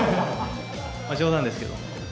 冗談ですけど。